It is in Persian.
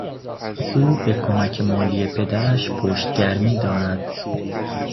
او به کمک مالی پدرش پشتگرمی دارد.